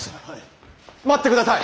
待ってください！